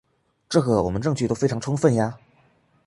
这个我们证据都非常充分呀。